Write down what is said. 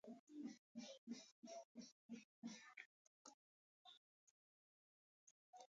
دا ټوکه نه ده.